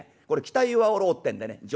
これ期待あおろうってんでね